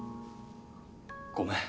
ごめん